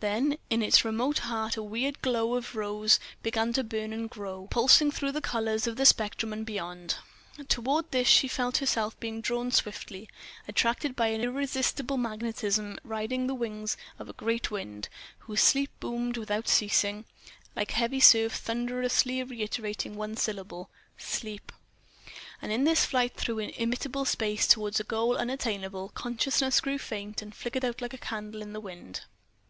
Then in its remote heart a weird glow of rose began to burn and grow, pulsing through all the colours of the spectrum and beyond. Toward this she felt herself being drawn swiftly, attracted by an irresistible magnetism, riding the wings of a great wind, whose voice boomed without ceasing, like a heavy surf thunderously reiterating one syllable, "Sleep!" ... And in this flight through illimitable space toward a goal unattainable, consciousness grew faint and flickered out like a candle in the wind.